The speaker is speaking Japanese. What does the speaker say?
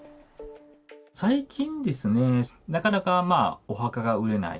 最近ですね、なかなかお墓が売れない。